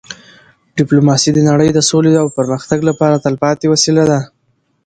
ډيپلوماسي د نړی د سولې او پرمختګ لپاره تلپاتې وسیله ده.